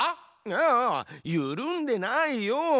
ああゆるんでないよ。